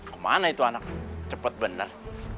kemana itu anak cepet bener